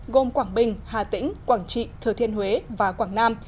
gồm quảng bình hà tĩnh quảng trị thừa thiên huế và quảng nam